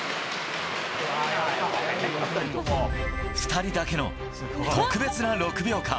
２人だけの特別な６秒間。